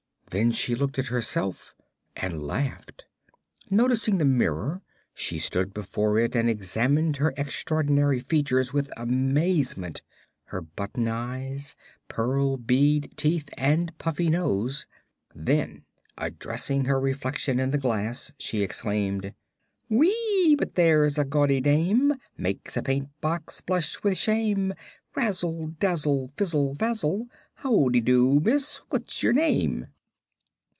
Then she looked at herself and laughed. Noticing the mirror, she stood before it and examined her extraordinary features with amazement her button eyes, pearl bead teeth and puffy nose. Then, addressing her reflection in the glass, she exclaimed: "Whee, but there's a gaudy dame! Makes a paint box blush with shame. Razzle dazzle, fizzle fazzle! Howdy do, Miss What's your name?"